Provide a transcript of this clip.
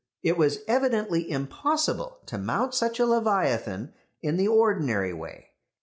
It was evidently impossible to mount such a leviathan in the ordinary way.